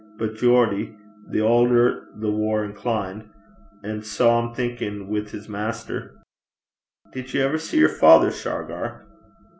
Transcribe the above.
But Geordie the aulder the waur set (inclined). An' sae I'm thinkin' wi' his maister.' 'Did ye iver see yer father, Shargar?'